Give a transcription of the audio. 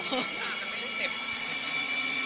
สำหรับ้ำนึงเสพ